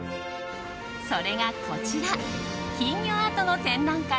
それが、こちら金魚アートの展覧会。